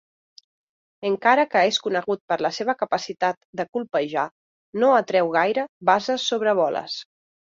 Encara que és conegut per la seva capacitat de colpejar, no atreu gaire bases sobre boles.